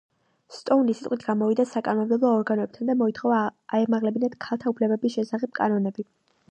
სტოუნი სიტყვით გამოვიდა საკანონმდებლო ორგანოებთან და მოითხოვა აემაღლებინათ ქალთა უფლებების შესახებ კანონები.